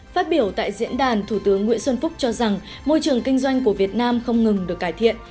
phát biểu tại diễn đàn thủ tướng nguyễn xuân phúc cho rằng môi trường kinh doanh của việt nam không ngừng được cải thiện